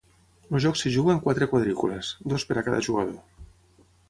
El joc es juga en quatre quadrícules, dues per a cada jugador.